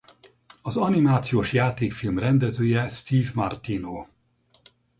Az animációs játékfilm rendezője Steve Martino.